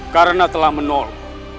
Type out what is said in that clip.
karena telah menolong